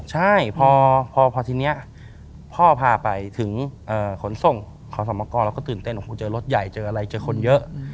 ใช่พอทีนี้พ่อพาไปถึงขนส่งขอสมกรเราก็ตื่นเต้นโอ้โหเจอรถใหญ่เจออะไรเจอคนเยอะ